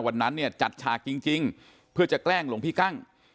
วันนั้นเนี่ยจัดฉากจริงเพื่อจะแกล้งหลวงพี่กั้ง